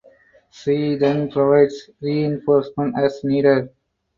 She then provides reinforcement as needed.